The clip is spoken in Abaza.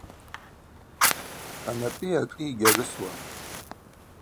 Анапӏи ашӏи гьагӏвысуам.